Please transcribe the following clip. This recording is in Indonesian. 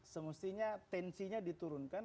semestinya tensinya diturunkan